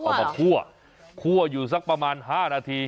เอามาคั่วคั่วอยู่สักประมาณ๕นาที